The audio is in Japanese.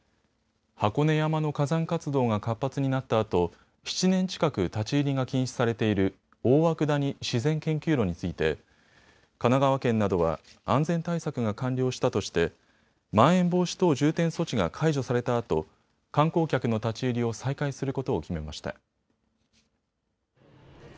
箱根山の火山活動が活発になったあと７年近く立ち入りが禁止されている大涌谷自然研究路について神奈川県などは安全対策が完了したとしてまん延防止等重点措置が解除されたあと観光客の立ち入りを再開することを決めました。